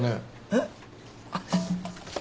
えっ？